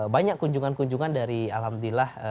banyak kunjungan kunjungan dari alhamdulillah